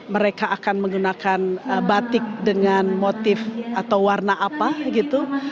mereka akan menggunakan batik dengan motif atau warna apa gitu